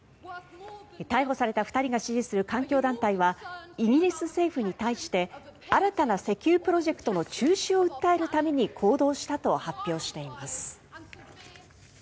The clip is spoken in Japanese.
逮捕された２人が支持する環境団体はイギリス政府に対して新たな石油プロジェクトの中止を訴えるために行動したと発表しています。